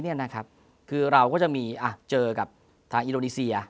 เราจะมีเจอกับทางอิโรดิเซีย